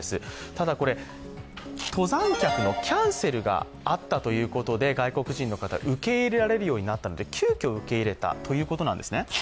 ただ、登山客のキャンセルがあったということで外国人の方、受け入れられるようになったので急きょ受け入れたということなんですね。